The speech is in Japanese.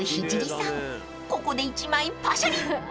［ここで１枚パシャリ］